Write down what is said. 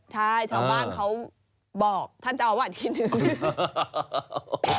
ใช่ชาวบ้านเขาบอกท่านเจ้าอาวาสทีนึง